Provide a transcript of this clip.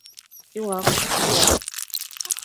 — Илаҡ, илаҡ!